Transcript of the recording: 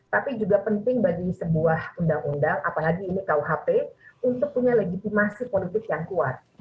tapi juga penting bagi sebuah undang undang apalagi ini kuhp untuk punya legitimasi politik yang kuat